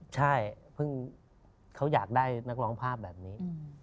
ใช่เพิ่งเขาอยากได้นักร้องภาพแบบนี้